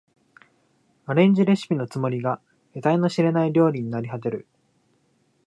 アレンジレシピのつもりが得体の知れない料理になりはてる